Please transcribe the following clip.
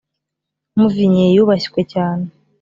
muvinyi yubashwe cyane